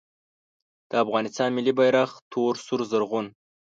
د افغانستان ملي بیرغ تور سور زرغون